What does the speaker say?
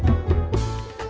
biasa aja meren